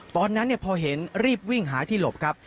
ตอนนั้นพอเห็นรีบวิ่งหาที่หลบครับ